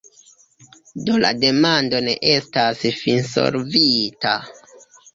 Do la demando ne estas finsolvita.